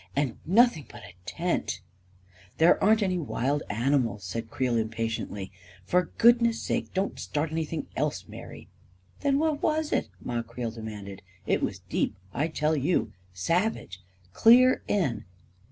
" And nothing but a tent ..."" There aren't any wild animals !" said Creel im patiently. " For goodness sake, don't start anything else, Mary! "" Then what was it? " Ma Creel demanded. " It was deep, I tell you — savage — clear in!